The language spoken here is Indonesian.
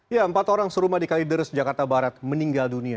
ya empat orang serumah di kaliders jakarta barat meninggal dunia